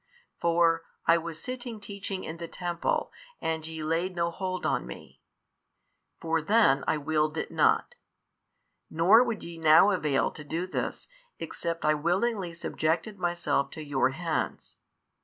For I was sitting teaching in the temple and ye laid no hold on Me, for then I willed it not, nor would ye now avail to do this, except I willingly subjected Myself to your hands.